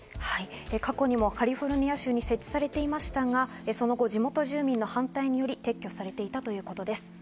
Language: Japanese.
過去にもカリフォルニア州に設置されていましたが、その後、地元住民の反対により撤去されていたということです。